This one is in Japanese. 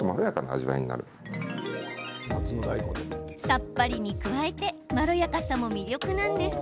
さっぱりに加えてまろやかさも魅力なんです。